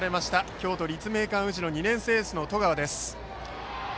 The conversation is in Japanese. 京都の立命館宇治２年生エースの十川。